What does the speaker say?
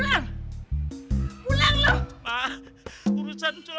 ente yang bunuhnya istighfar